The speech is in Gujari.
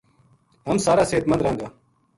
ہم سارا صحت مند راہاں گا